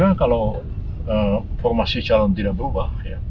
saya kira kalau formasi calon tidak berubah